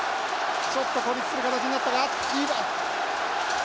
ちょっと孤立する形になったか。